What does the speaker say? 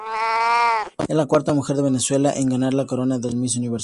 Es la cuarta mujer de Venezuela en ganar la corona del Miss Universo.